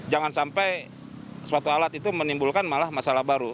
jangan sampai suatu alat itu menimbulkan malah masalah baru